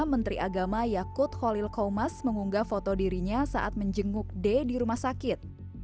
menteri agama yakut khalil komas mengunggah foto dirinya saat menjenguk d di rumah sakit